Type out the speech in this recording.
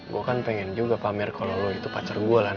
gue kan pengen juga pamer kalo lu itu pacar gue lan